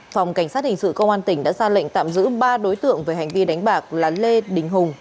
phòng cảnh sát hình sự công an tỉnh đã ra lệnh tạm giữ ba đối tượng về hành vi đánh bạc là lê đình hùng